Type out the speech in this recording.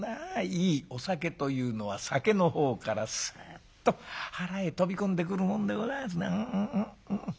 いいお酒というのは酒の方からすっと腹へ飛び込んでくるもんでございますな」。